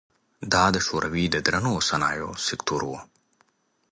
دا د شوروي د درنو صنایعو سکتور و.